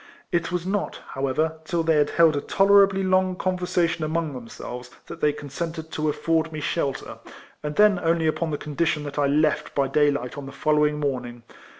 It was not, how ever, till they had lield a tolerably long conversation among themselves that they consented to afford me sJielter; and then only upon the condition that I left by day light on the following morning.